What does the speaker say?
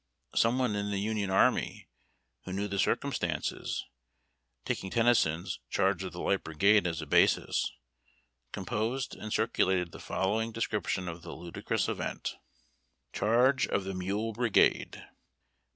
Some one in the Union army, who knew the circumstances, taking Tennyson's " Charge of the Light Brigade " as a basis, composed and circulated the following description of the ludicrous event: — CHARGE OF THE MULE BRIGADE.